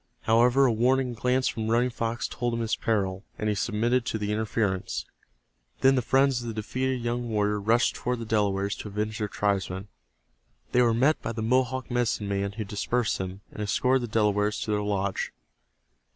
However, a warning glance from Running Fox told him his peril, and he submitted to the interference. Then the friends of the defeated young warrior rushed toward the Delawares to avenge their tribesman. They were met by the Mohawk medicine man who dispersed them, and escorted the Delawares to their lodge.